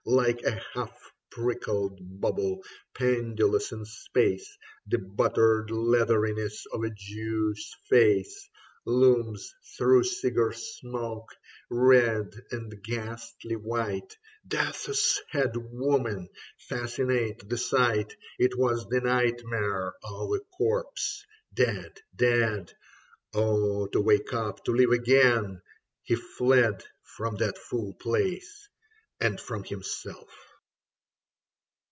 Like a half pricked bubble pendulous in space, The buttered leatheriness of a Jew's face Looms through cigar smoke ; red and ghastly white, Death's head women fascinate the sight. It was the nightmare of a corpse. Dead, dead ... Oh, to wake up, to live again ! he fled From that foul place and from himself.